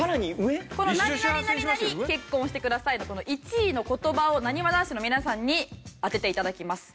この「何何何何結婚してください」のこの１位の言葉をなにわ男子の皆さんに当てて頂きます。